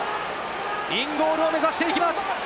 インゴールを目指していきます。